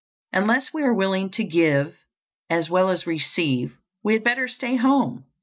Unless we are willing to give as well as receive, we had better stay at home.